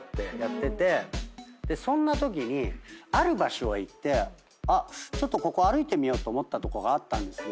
そんなときにある場所へ行ってちょっとここ歩いてみようと思ったとこがあったんですよ。